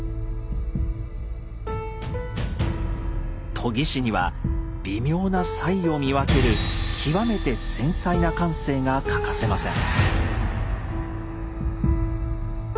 研ぎ師には微妙な差異を見分ける極めて繊細な感性が欠かせません。